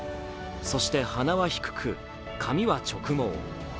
そして鼻は低く、髪は直毛。